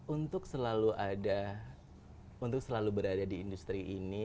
untuk selalu ada untuk selalu berada di industri ini